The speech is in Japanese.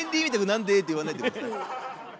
「なんで」って言わないで下さい。